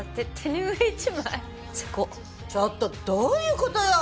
ちょっとどういう事よ！